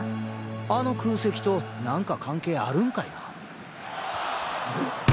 あの空席となんか関係あるんかいな？